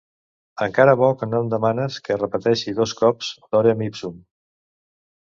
Encara bo que no em demanes que repeteixi dos cops “Lorem Ipsum”.